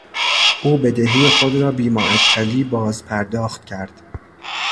او بدهی خود را بیمعطلی باز پرداخت کرد.